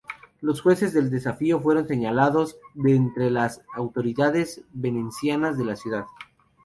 Los jueces del desafío fueron señalados de entre las autoridades venecianas de la ciudad.